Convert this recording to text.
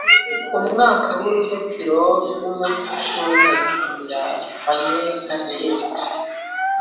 umwaka-uruzitiro rwumucumbagira hamwe na flint,